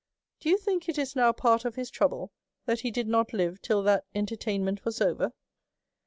Do you think it is now part of his trouble that he did not live till that entertainment was over?